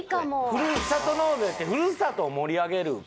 ふるさと納税ってふるさとを盛り上げる事でしょ？